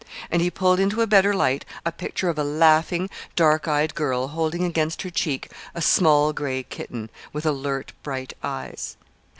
And he pulled into a better light a picture of a laughing, dark eyed girl holding against her cheek a small gray kitten, with alert, bright eyes.